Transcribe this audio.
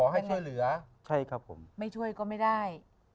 ขอให้ช่วยเหลือไม่ช่วยก็ไม่ได้